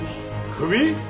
クビ！？